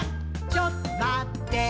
ちょっとまってぇー」